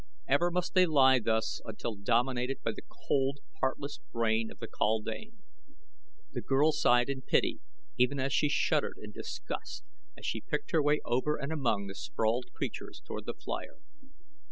Ever must they lie thus until dominated by the cold, heartless brain of the kaldane. The girl sighed in pity even as she shuddered in disgust as she picked her way over and among the sprawled creatures toward the flier.